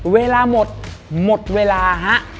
เวลาหมดหมดเวลาฮะ